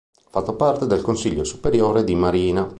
Ha fatto parte del Consiglio superiore di marina.